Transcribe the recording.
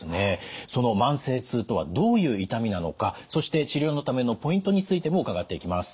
その慢性痛とはどういう痛みなのかそして治療のためのポイントについても伺っていきます。